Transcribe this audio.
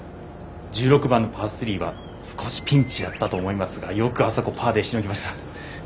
１６番、パー３は少しピンチだったと思いますがよくあそこパーでしのぎました。